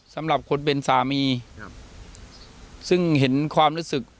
สำหรับคนเป็นสามีครับซึ่งเห็นความรู้สึก